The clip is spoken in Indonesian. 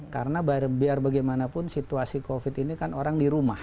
karena biar bagaimanapun situasi covid ini kan orang di rumah